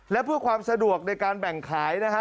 และเพื่อความสะดวกในการแบ่งขายนะฮะ